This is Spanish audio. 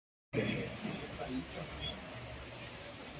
Estas labores las realizaron durante mucho tiempo sin ninguna base legal.